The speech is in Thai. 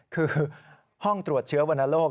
คือห้องตรวจเชื้อวรรณโรค